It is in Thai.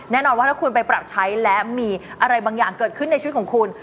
แน่นอนว่าถ้าคุณไปปรับใช้และมีอะไรบางอย่างเกิดขึ้นในชีวิตของคุณ